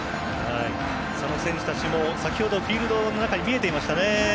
その選手たちも先ほどフィールドの中に見えていました。